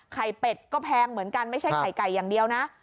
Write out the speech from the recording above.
เป็ดก็แพงเหมือนกันไม่ใช่ไข่ไก่อย่างเดียวนะ